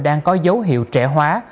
đang có dấu hiệu trẻ hóa